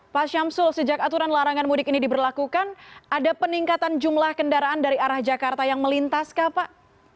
pak syamsul sejak aturan larangan mudik ini diberlakukan ada peningkatan jumlah kendaraan dari arah jakarta yang melintas kah pak